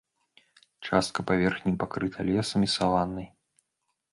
Частка паверхні пакрыта лесам і саваннай.